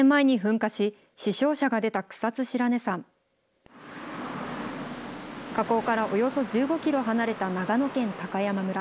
火口からおよそ１５キロ離れた長野県高山村。